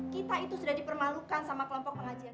kita itu sudah dipermalukan sama kelompok pengajian